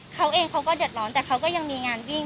เขาเองเขาก็เดือดร้อนแต่เขาก็ยังมีงานวิ่ง